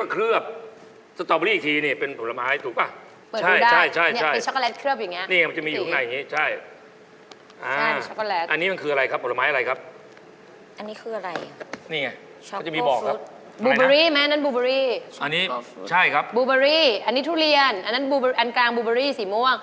ก็คือข้างในมันเป็นสตรอเบอร์รีแล้วก็เคลือบ